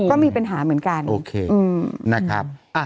ก็มีปัญหาเหมือนกันโอเคนะครับ